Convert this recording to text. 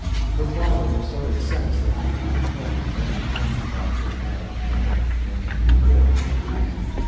Her father was so incensed that he could not talk in measured terms about her wild project of going to the wars like a man.